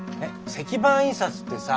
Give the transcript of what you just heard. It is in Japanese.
石版印刷ってさ